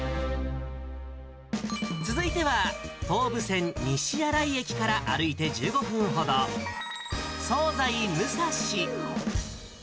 続いては、東武線西新井駅から歩いて１５分ほど、惣菜むさし。